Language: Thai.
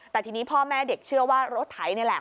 แต่ทีนี้พ่อแม่เด็กเชื่อว่ารถไถนี่แหละ